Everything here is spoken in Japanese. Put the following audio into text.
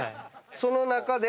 その中で？